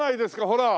ほら！